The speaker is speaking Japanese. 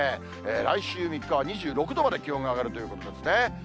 来週３日は２６度まで気温が上がるということですね。